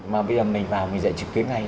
mà bây giờ mình vào mình dạy trực tuyến ngay